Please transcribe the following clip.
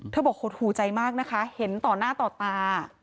บอกหดหูใจมากนะคะเห็นต่อหน้าต่อตา